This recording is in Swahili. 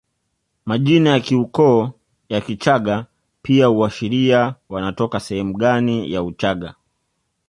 Majina ya kiukoo ya Kichagga pia huashiria wanatoka sehemu gani ya Uchaga